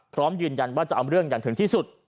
พร้อมยืนยันว่าจะเอาเรื่องอย่างถึงที่สุด